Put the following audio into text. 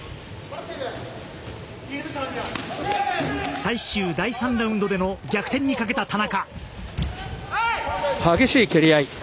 最終第３ラウンドでの逆転にかけた田中。